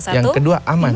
yang kedua aman